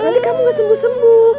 nanti kamu gak sembuh sembuh